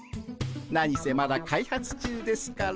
何せまだ開発中ですから。